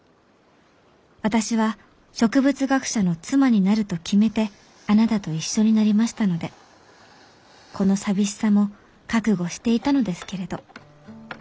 私は植物学者の妻になると決めてあなたと一緒になりましたのでこの寂しさも覚悟していたのですけれど。